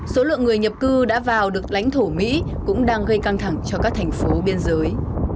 số lượng người nhập cư đã vào được lãnh thổ mỹ cũng đang gây căng thẳng cho các thành phố biên giới